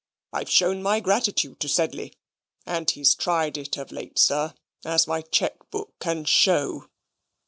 I've shown my gratitude to Sedley; and he's tried it of late, sir, as my cheque book can show.